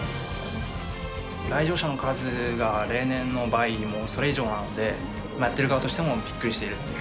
来場者の数が例年の倍、もうそれ以上なので、やってる側もびっくりしていると。